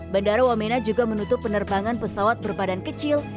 bandara wamena juga menutup penerbangan pesawat berbadan kecil